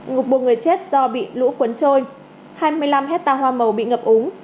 ngục buộc người chết do bị lũ cuốn trôi hai mươi năm hecta hoa màu bị ngập úng